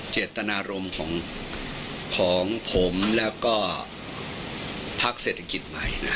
เจตนารมณ์ของผมแล้วก็พักเศรษฐกิจใหม่